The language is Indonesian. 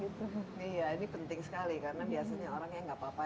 iya ini penting sekali karena biasanya orangnya nggak apa apa ya